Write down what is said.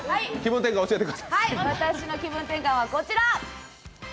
私の気分転換はＹｅｓ！